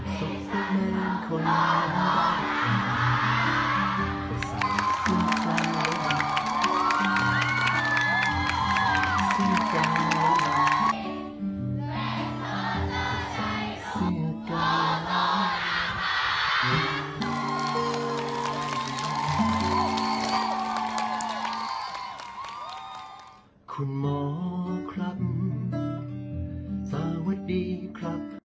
สาวสุขทุกท่านนะคะ